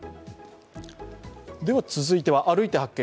続いては「歩いて発見！